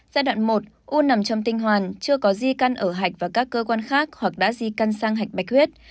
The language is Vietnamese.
giai đoạn một u nằm trong tinh hoàn chưa có di căn ở hạch và các cơ quan khác hoặc đã di căn sang hạch bạch huyết